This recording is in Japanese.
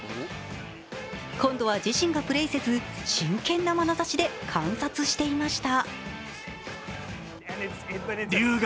今度は自身がプレーせず、真剣なまなざしで観察していました。